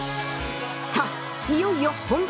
さあいよいよ本番！